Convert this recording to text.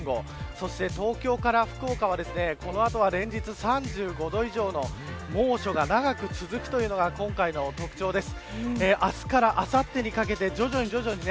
そして、東京から福岡はこの後は連日３５度以上の猛暑が長く続くというのが今回の特徴です。